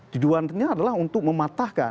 tujuannya adalah untuk mematahkan